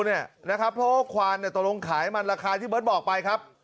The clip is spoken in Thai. เพราะว่าควานตกลงขายมันราคาที่เบิร์ตบอกไปครับ